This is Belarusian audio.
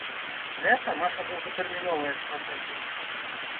Гэта наша доўгатэрміновая стратэгія.